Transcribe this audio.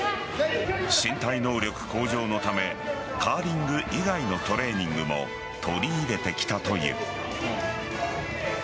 身体能力向上のためカーリング以外のトレーニングも取り入れてきたという。